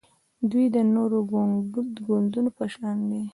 دوی د نورو ګوندونو په شان دي